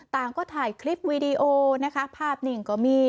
ตาก็ถ่ายคลิปวีดีโอภาพหนิ่งก็มี